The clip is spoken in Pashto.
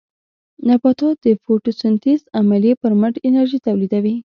نباتات د فوټوسنټیز عملیې پرمټ انرژي تولیدوي.